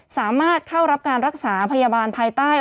สามารถเข้ารับการรักษาพยาบาลภายใต้